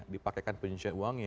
dipakaikan penyusian uang